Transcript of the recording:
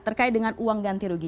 terkait dengan uang ganti rugi